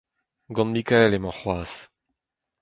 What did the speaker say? Gant Mikael emañ c'hoazh.